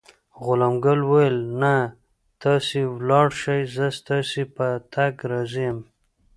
غلام ګل وویل: نه، تاسې ولاړ شئ، زه ستاسي په تګ راضي یم.